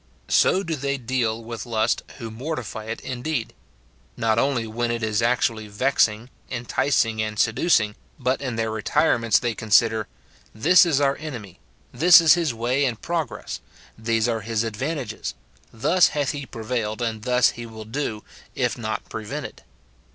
So do they deal with lust who mortify it indeed. Not only when it is actually vexing, enticing, and seduc ing, but in their retirements they consider, " This is our enemy ; this is his way and progress, these are his ad vantages, thus hath he prevailed, and thus he will do, if not prevented."